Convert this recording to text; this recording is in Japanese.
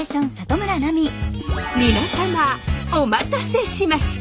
皆様お待たせしました。